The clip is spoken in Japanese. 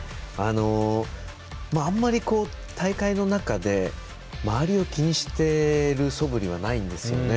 あんまり大会の中で周りを気にしているそぶりはないんですよね。